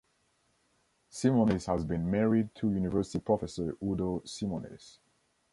Simonis has been married to university professor Udo Simonis.